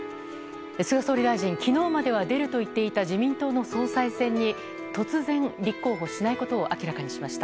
菅総理大臣、きのうまでは出ると言っていた自民党の総裁選に、突然、立候補しないことを明らかにしました。